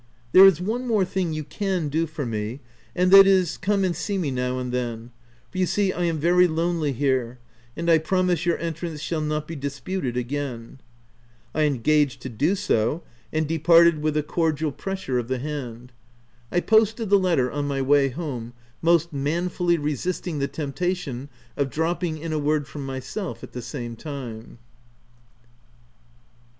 There is one more thing you can do for me, and that is, come and see me now and then — for you see I am very lonely here, and I promise your entrance shall not be disputed again." I engaged to do so, and departed with a OF WILDFELL HALL. 167 cordial pressure of the hand. I posted the letter on my way home, most manfully resisting the temptation of dropping in a word from my self the same time.